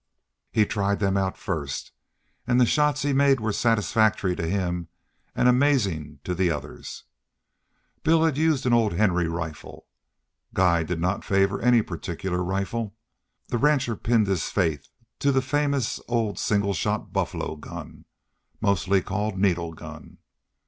He tried them out first, and the shots he made were satisfactory to him and amazing to the others. Bill had used an old Henry rifle. Guy did not favor any particular rifle. The rancher pinned his faith to the famous old single shot buffalo gun, mostly called needle gun.